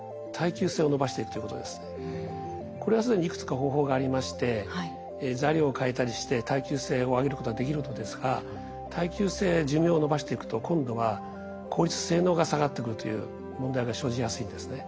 これは既にいくつか方法がありまして材料を変えたりして耐久性を上げることができるのですが耐久性や寿命をのばしていくと今度は効率・性能が下がってくるという問題が生じやすいんですね。